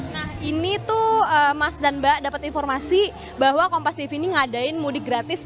nah ini tuh mas dan mbak dapat informasi bahwa kompas tv ini ngadain mudik gratis